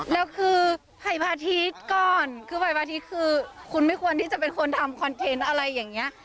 แล้วคือหายพาทิศก่อนคือหายพาทิศคือคุณไม่ควรที่จะเป็นคนทำคอนเทนต์อะไรอย่างนี้